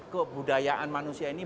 kebudayaan manusia ini